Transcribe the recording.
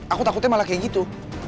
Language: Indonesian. aku takutnya malah kayak gitu